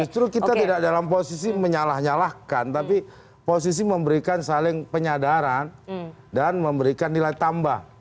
justru kita tidak dalam posisi menyalah nyalahkan tapi posisi memberikan saling penyadaran dan memberikan nilai tambah